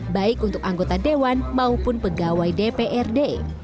baik untuk anggota dewan maupun pegawai dprd